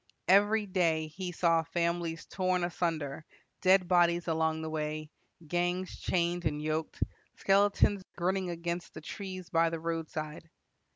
"Every day he saw families torn asunder, dead bodies along the way, gangs chained and yoked, skeletons grinning against the trees by the roadside.